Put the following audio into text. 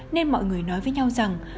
nên mọi người nói với nhau rằng